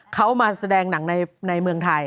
เขามาแสดงหนังในเมืองไทย